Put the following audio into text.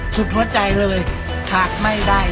สุดหัวใจเลยขาดไม่ได้